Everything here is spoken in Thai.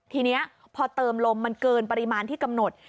ทีนี้พอเติมลมมันเกินปริมาณที่กำหนด